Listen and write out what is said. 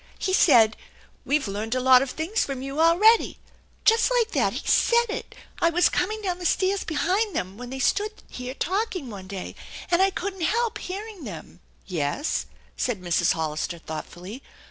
He said, 'We've learned a lot of things from you already'; just like that, he said it! I was coming down the stairs behind them when they stood here talking one day, and I couldn't help hearing them." "Yes?" said Mrs. Hollister thoughtfully.